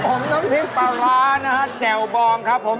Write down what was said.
ของผมน้ำพริกปั๊วลาน้าเจาเบาว์นครับผม